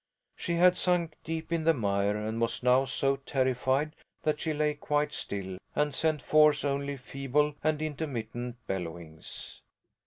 She had sunk deep in the mire and was now so terrified that she lay quite still and sent forth only feeble and intermittant bellowings.